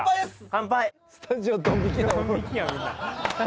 乾杯